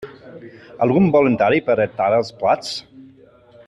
Algun voluntari per rentar els plats?